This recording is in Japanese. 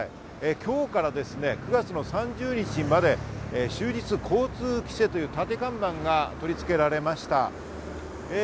今日から９月３０日まで終日交通規制という立て看板が取り付けられました。